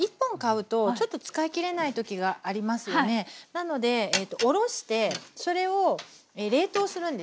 なのでおろしてそれを冷凍するんですね。